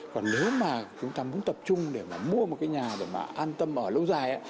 còn nếu mà chúng ta muốn tập trung để mà mua một cái nhà để mà an tâm ở lâu dài